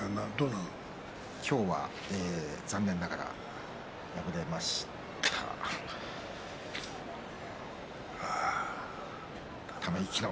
今日は残念ながら敗れました。